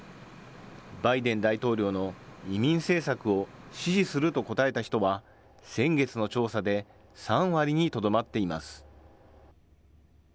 バイデン大統領の移民政策を支持すると答えた人は、先月の調査で３割にとどまっています。